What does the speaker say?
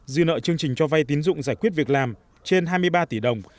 dư nợ chương trình cho vay tín dụng giải quyết việc làm trên hai mươi ba tỷ đồng